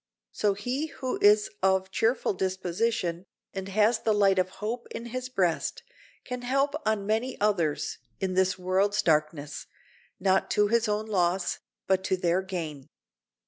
So he who is of cheerful disposition, and has the light of hope in his breast, can help on many others in this world's darkness, not to his own loss, but to their gain.